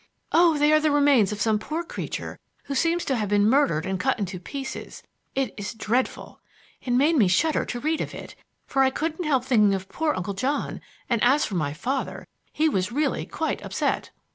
"Oh, they are the remains of some poor creature who seems to have been murdered and cut into pieces. It is dreadful. It made me shudder to read of it, for I couldn't help thinking of poor Uncle John, and, as for my father, he was really quite upset."